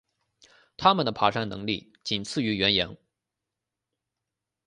它们的爬山能力仅次于羱羊。